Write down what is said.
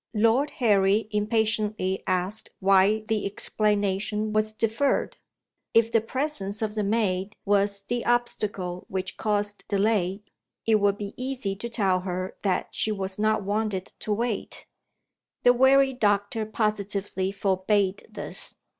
Lord Harry impatiently asked why the explanation was deferred. If the presence of the maid was the obstacle which caused delay, it would be easy to tell her that she was not wanted to wait. The wary doctor positively forbade this.